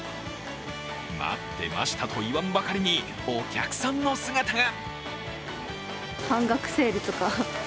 待ってましたと言わんばかりにお客さんの姿が。